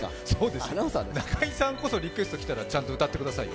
中居さんこそ、リクエスト来たらちゃんと歌ってくださいね。